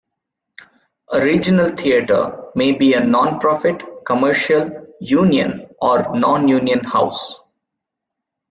A regional theatre may be a non-profit, commercial, union, or non-union house.